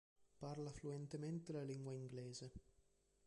Parla fluentemente la lingua inglese.